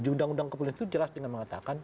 di undang undang kepolisian itu jelas dengan mengatakan